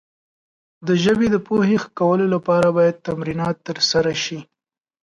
د ژبې د پوهې ښه کولو لپاره باید تمرینات ترسره شي.